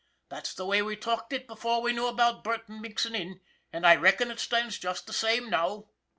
That's the way we talked it before we knew about Burton mixin' in, and I reckon it stands just the same now."